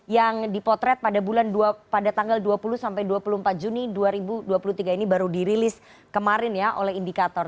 yang dipotret pada tanggal dua puluh sampai dua puluh empat juni dua ribu dua puluh tiga ini baru dirilis kemarin ya oleh indikator